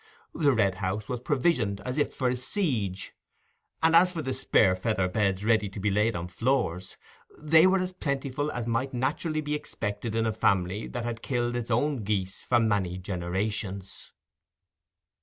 The Red House was provisioned as if for a siege; and as for the spare feather beds ready to be laid on floors, they were as plentiful as might naturally be expected in a family that had killed its own geese for many generations.